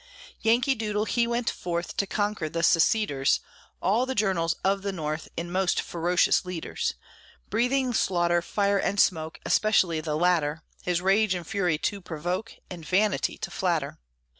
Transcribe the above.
Yankee Doodle, he went forth To conquer the seceders, All the journals of the North, In most ferocious leaders, Breathing slaughter, fire, and smoke, Especially the latter, His rage and fury to provoke, And vanity to flatter.